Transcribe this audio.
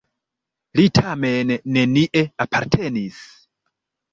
Li tamen nenie apartenis.